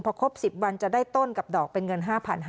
พอครบ๑๐วันจะได้ต้นกับดอกเป็นเงิน๕๕๐๐